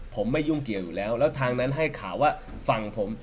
ผมไม่ยุ่งเกี่ยวอยู่แล้วแล้วทางนั้นให้ข่าวว่าฝั่งผม